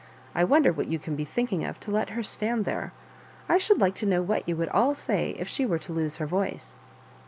I wonder what you can be thinking of to let her stand there. I should like to know what you would all say if she were to lose her voice."